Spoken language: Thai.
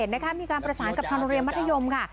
มีการประสานกับทางโรงเรียนมัธยมค่ะ